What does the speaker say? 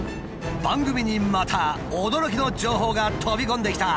番組にまた驚きの情報が飛び込んできた。